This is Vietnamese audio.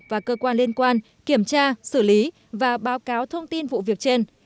và cơ quan liên quan kiểm tra xử lý và báo cáo thông tin vụ việc trên